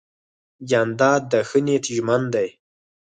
جانداد د ښه نیت ژمن دی.